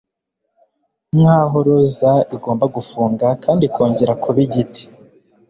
Nkaho roza igomba gufunga kandi ikongera kuba igiti